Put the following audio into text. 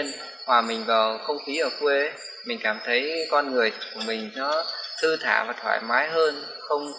làm việc sống ở thành phố thư thả và thoải mái hơn